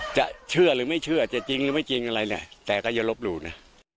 เชื่อหรือไม่เชื่อจะจริงหรือไม่จริงอะไรเนี่ยแต่ก็อย่าลบหลู่นะ